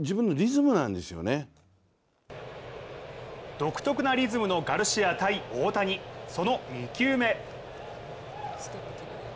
独特なリズムのガルシア対大谷、その２球目。